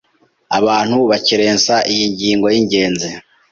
abantu bakerensa iyi ngingo y’ingenzi.